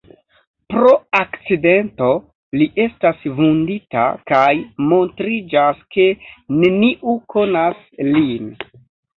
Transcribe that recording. Pro akcidento li estas vundita, kaj montriĝas, ke neniu konas lin.